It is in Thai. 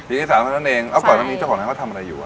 ปีที่๓นั่นเองเอ้าข่อนั่นนี้เจ้าของนั้นก็ทำอะไรอยู่